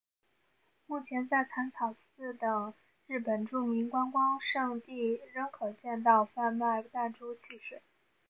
目前在浅草寺等日本著名观光胜地仍可见到贩卖弹珠汽水。